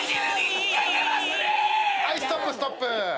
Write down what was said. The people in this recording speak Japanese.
はいストップストップ。